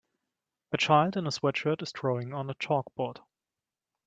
A child in a sweatshirt is drawing on a chalkboard.